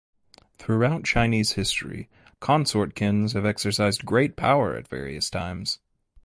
Throughout Chinese history consort kins have exercised great power at various times.